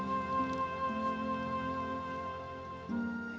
haters gak mau jolok